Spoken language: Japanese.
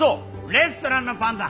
レストランのパンだ！